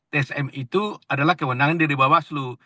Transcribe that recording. tsm itu adalah kewenangan dari bawah slu